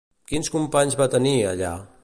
Quins companys va tenir, allà?